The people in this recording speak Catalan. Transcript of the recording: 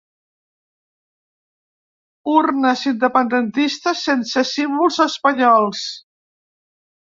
Urnes independentistes, sense símbols espanyols.